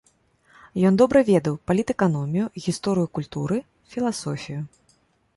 Ён добра ведаў палітэканомію, гісторыю культуры, філасофію.